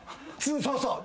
そうそう。